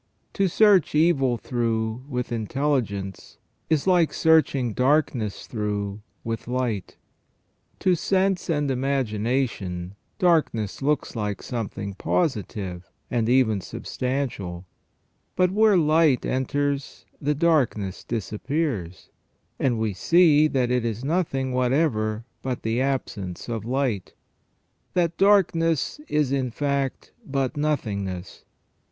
To search evil through with intelligence is like searching darkness through with light. To sense and imagination darkness looks like something positive and even substantial; but where the light enters the darkness disappears, and we see that it is nothing whatever but the absence of light, that darkness is in fact but nothingness.